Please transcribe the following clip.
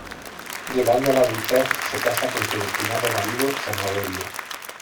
Llegando a la adultez, se casa con su destinado marido San Aurelio.